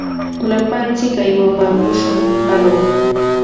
Lapantsik aywapaakushun aruq.